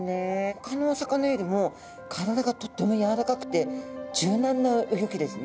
ほかのお魚よりも体がとっても柔らかくて柔軟なうギョきですね。